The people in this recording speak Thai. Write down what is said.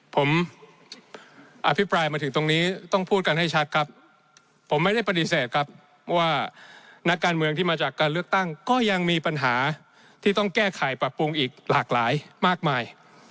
ผมอภิปรายมาถึงตรงนี้ต้องพูดกันให้ชัดครับผมไม่ได้ปฏิเสธครับว่านักการเมืองที่มาจากการเลือกตั้งก็ยังมีปัญหาที่ต้องแก้ไขปรับปรุงอีกหลากหลายมากมาย